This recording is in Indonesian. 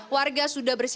warga sudah bersih